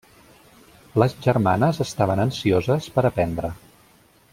Les germanes estaven ansioses per aprendre.